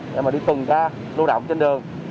để mà đi tuần ca lưu động trên đường